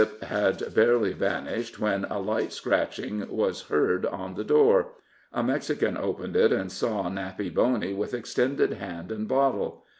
] Mississip had barely vanished, when a light scratching was heard on the door. A Mexican opened it, and saw Nappy Boney, with extended hand and bottle.